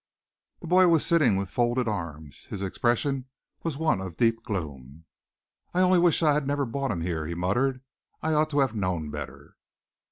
The boy was sitting with folded arms. His expression was one of deep gloom. "I only wish I'd never brought him here," he muttered. "I ought to have known better."